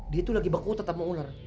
dia tuh lagi baku tetep sama ular